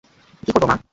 কি করবো মা?